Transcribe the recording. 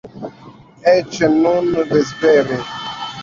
Eĉ nun, vespere.